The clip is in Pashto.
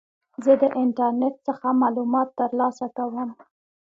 زه د انټرنیټ څخه معلومات ترلاسه کوم.